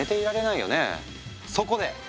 そこで！